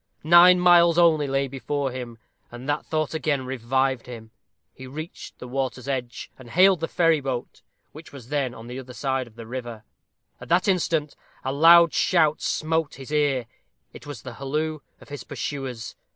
Nine miles only lay before him, and that thought again revived him. He reached the water's edge, and hailed the ferryboat, which was then on the other side of the river. At that instant a loud shout smote his ear; it was the halloo of his pursuers.